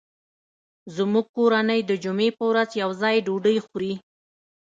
زموږ کورنۍ د جمعې په ورځ یو ځای ډوډۍ خوري